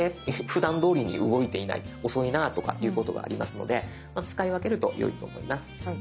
ふだん通りに動いていない遅いなとかいうことがありますので使い分けるとよいと思います。